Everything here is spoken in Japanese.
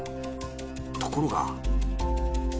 ところが。